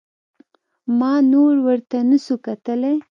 ما نور ورته نسو کتلى.